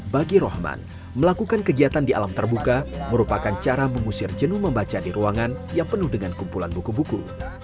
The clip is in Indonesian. bagi rohman melakukan kegiatan di alam terbuka merupakan cara mengusir jenuh membaca di ruangan yang penuh dengan kumpulan buku buku